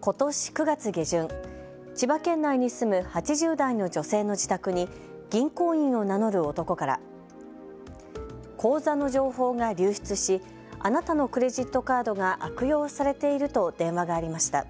ことし９月下旬、千葉県内に住む８０代の女性の自宅に銀行員を名乗る男から口座の情報が流出しあなたのクレジットカードが悪用されていると電話がありました。